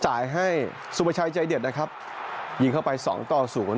จ่ายให้สุประชายใจเด็ดนะครับยิงเข้าไป๒ต่อ๐